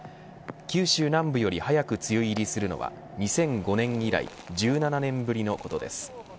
九州南部より早く梅雨入りするのは２００５年以来１７年ぶりのことです。